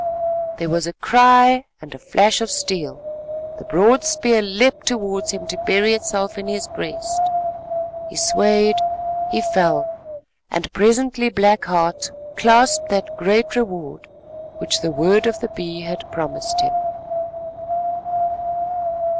There was a cry and a flash of steel; the broad spear leapt towards him to bury itself in his breast. He swayed, he fell, and presently Black Heart clasped that great reward which the word of the Bee had promised Him.